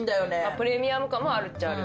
プレミアム感もあるっちゃある。